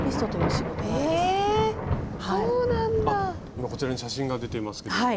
今こちらに写真が出ていますけれども。